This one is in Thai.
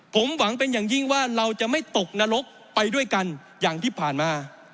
ผมหวังเป็นอย่างยิ่งว่าเราจะไม่ตกนรกไปด้วยกันอย่างที่ผ่านมา